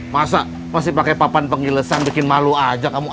masa masih pakai papan penggilesan bikin malu aja kamu